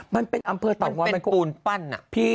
มันเป็นอำเภอเต่างอยมันปูนปั้นอ่ะพี่